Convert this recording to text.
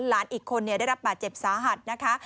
หลานอีกคนได้รับบาดเจ็บสาหัสนะคะ